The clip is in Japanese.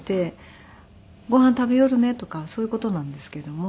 「ご飯食べよるね？」とかそういう事なんですけども。